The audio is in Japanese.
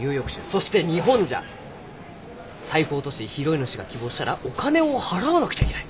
そして日本じゃ財布を落として拾い主が希望したらお金を払わなくちゃいけない。